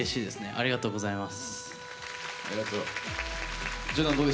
ありがとうございます。